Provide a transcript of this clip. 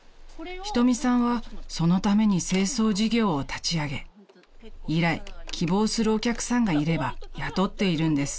［瞳さんはそのために清掃事業を立ち上げ以来希望するお客さんがいれば雇っているんです］